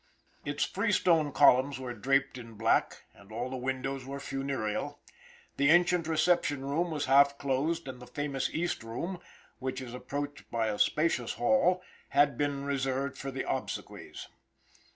Its freestone columns were draped in black, and all the windows were funereal. The ancient reception room was half closed, and the famous East room, which is approached by a spacious hall, had been reserved for the obsequies.